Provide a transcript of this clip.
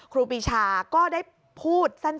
ครูปีชาก็ได้พูดสั้น